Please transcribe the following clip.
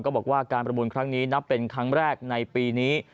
บอกว่าการประมูลครั้งนี้นับเป็นครั้งแรกในปีนี้